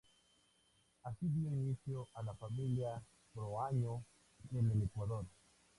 Así dio inicio a la familia Proaño en el Ecuador.